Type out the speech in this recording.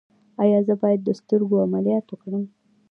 ایا زه باید د سترګو عملیات وکړم؟